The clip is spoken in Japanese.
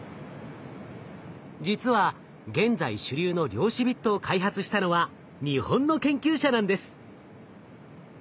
実は現在主流の量子ビットを開発したのは日本の研究者なんです。